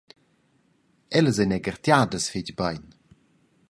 Ellas ein era gartegiadas fetg bein.